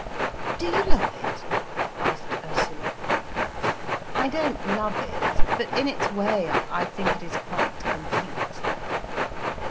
"Do you love it?" asked Ursula. "I don't love it, but in its way, I think it is quite complete."